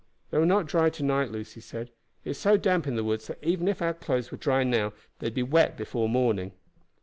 "They will not dry to night," Lucy said. "It is so damp in the woods that even if our clothes were dry now they would be wet before morning."